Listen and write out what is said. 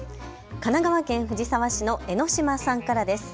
神奈川県藤沢市のエノシマさんからです。